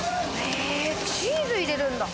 チーズ入れるんだ。